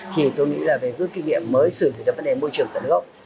thì tôi nghĩ là về giúp kinh nghiệm mới xử lý cho vấn đề môi trường tận gốc